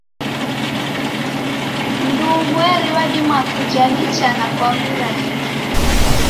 Mndu umweri wadima kuja nicha na kwa w'urahisi.